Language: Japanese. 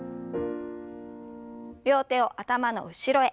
両手を頭の後ろへ。